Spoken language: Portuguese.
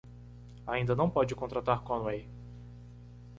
Ainda não pode contatar Conway.